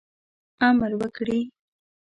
امر وکړي.